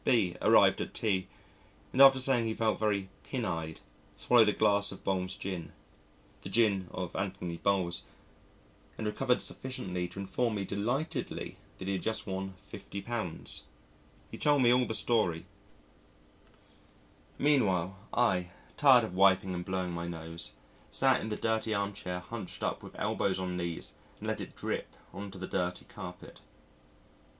B arrived at tea and after saying he felt very "pin eyed" swallowed a glass of Bols gin the Gin of Antony Bols and recovered sufficiently to inform me delightedly that he had just won £50. He told me all the story; meanwhile, I, tired of wiping and blowing my nose, sat in the dirty armchair hunched up with elbows on knees and let it drip on to the dirty carpet.